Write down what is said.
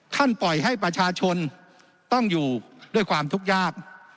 ปล่อยให้ประชาชนต้องอยู่ด้วยความทุกข์ยาก